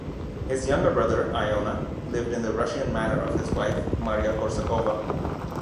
His younger brother, Iona, lived in the Russian manor of his wife, Maria Korsakova.